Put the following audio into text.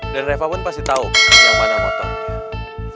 dan reva pun pasti tau yang mana motornya